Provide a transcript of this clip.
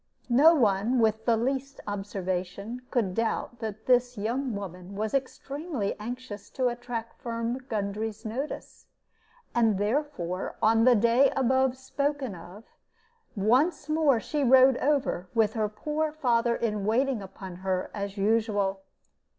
No one with the least observation could doubt that this young woman was extremely anxious to attract Firm Gundry's notice; and therefore, on the day above spoken of, once more she rode over, with her poor father in waiting upon her as usual.